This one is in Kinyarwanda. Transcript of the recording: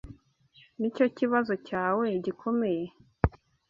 Nicyo kibazo cyawe gikomeye.